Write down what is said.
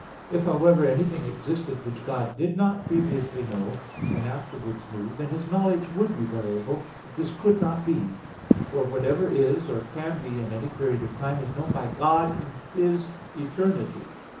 If, however, anything existed which God did not previously know, and afterwards knew, then His knowledge would be variable. But this could not be; for whatever is, or can be in any period of time, is known by God in His eternity.